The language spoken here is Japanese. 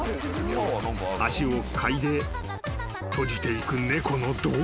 ［足を嗅いで閉じていく猫の瞳孔］